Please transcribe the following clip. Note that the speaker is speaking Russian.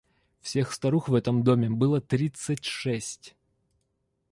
Всех старух в этом доме было тридцать шесть.